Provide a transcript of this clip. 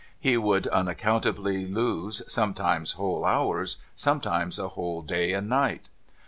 He would unaccountably lose, sometimes whole hours, sometimes a whole day and night.